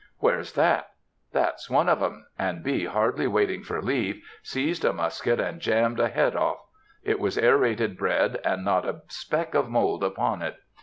"Where's that?" "That's one of 'em"; and B., hardly waiting for leave, seized a musket, and jammed a head off. It was aerated bread, and not a speck of mould upon it!